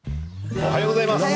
おはようございます。